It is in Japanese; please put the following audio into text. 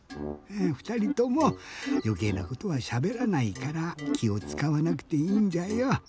ふたりともよけいなことはしゃべらないからきをつかわなくていいんじゃよ。